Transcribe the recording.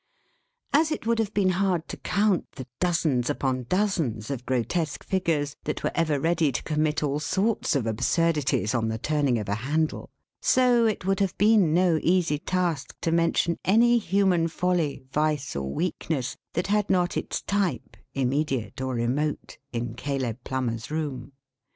As it would have been hard to count the dozens upon dozens of grotesque figures that were ever ready to commit all sorts of absurdities, on the turning of a handle; so it would have been no easy task to mention any human folly, vice, or weakness, that had not its type, immediate or remote, in Caleb Plummer's room.